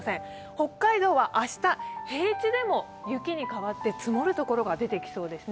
北海道は明日、平地でも雪に変わって積もる所が出てきそうですね。